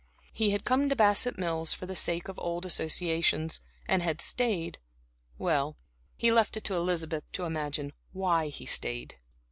He had come to Bassett Mills for the sake of old associations, and had stayed well, he left it to Elizabeth to imagine why he stayed.